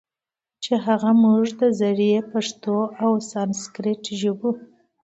چې هغه موږ د زړې پښتو او سانسکریت ژبو